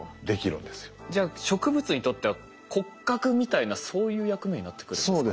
じゃあ植物にとっては骨格みたいなそういう役目になってくるんですか？